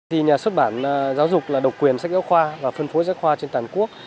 thì nhà xuất bản giáo dục là độc quyền sách giáo khoa và phân phối sách khoa trên toàn quốc